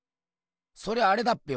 そりゃあれだっぺよ